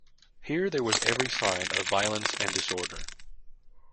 Here there was every sign of violence and disorder.